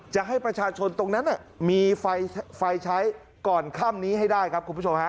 จะให้ประชาชนตรงนั้นมีไฟใช้ก่อนค่ำนี้ให้ได้ครับคุณผู้ชมฮะ